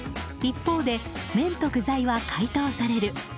一方で麺と具材は解凍される。